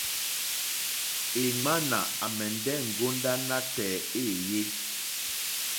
Èŋwánà àmɛ̀ndɛ́ ŋgòndá nátɛ̀ɛ̀ éèyé.